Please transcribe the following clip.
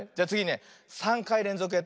３かいれんぞくやってみるよ。